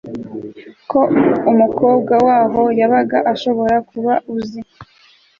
Ko umukobwa waho yabaga ushobora kuba uzi